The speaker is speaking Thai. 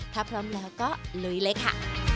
ถ้าพร้อมแล้วก็ลุยเลยค่ะ